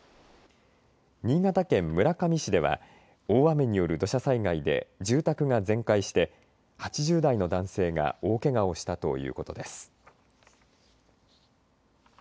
新潟県村上市では大雨による土砂災害で住宅が全壊して８０代の男性が大けがをしたということです。